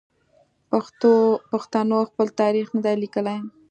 پښتنو خپل تاریخ نه دی لیکلی.